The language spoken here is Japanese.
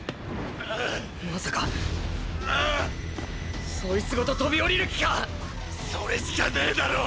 まさかそいつごと飛び降りる気か⁉それしかねぇだろ！！